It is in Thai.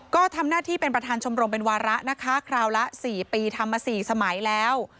ก็ทำหน้าที่เป็นประธานชมรมเป็นวาระนะคะคราวละ๔ปีทำมา๔สมัยแล้ว